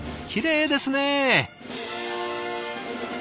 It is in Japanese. きれいですね！